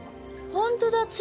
本当だ！